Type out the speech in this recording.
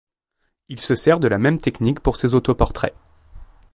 Il se sert de la même technique pour ses autoportraits.